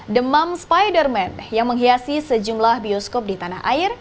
the mom spider man yang menghiasi sejumlah bioskop di tanah air